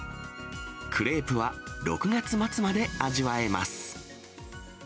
クレープは６月末まで味わえます。